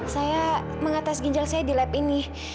saya mengates ginjal saya di lab ini